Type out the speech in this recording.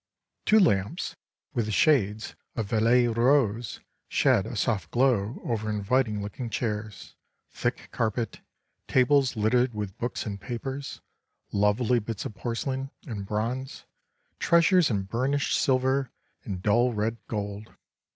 Two lamps, with shades of vieille rose, shed a soft glow over inviting looking chairs, thick carpet, tables littered with books and papers, lovely bits of porcelain and bronze, treasures in burnished silver and dull red gold.